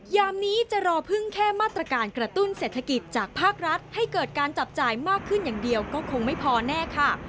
ยามนี้จะรอพึ่งแค่มาตรการกระตุ้นเศรษฐกิจจากภาครัฐให้เกิดการจับจ่ายมากขึ้นอย่างเดียวก็คงไม่พอแน่ค่ะ